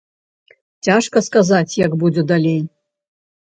Цяжка сказаць, як будзе далей.